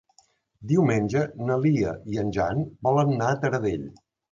Diumenge na Lia i en Jan volen anar a Taradell.